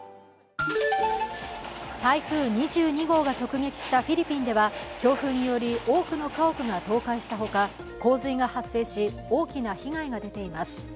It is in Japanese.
台風２２号が直撃したフィリピンでは強風により多くの家屋が倒壊したほか洪水が発生し、大きな被害が出ています。